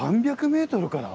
３００ｍから？